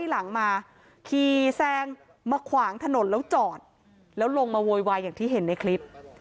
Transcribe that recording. ลงมาโวยวายอย่างที่เห็นในคลิป